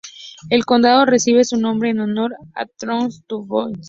El condado recibe su nombre en honor a Toussaint Dubois.